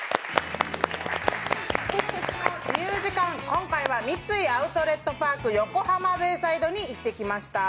今回は三井アウトレットパーク横浜ベイサイドに行ってきました。